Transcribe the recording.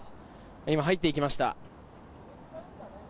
今、入っていきました。